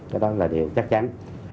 cái đó là điều chắc chắn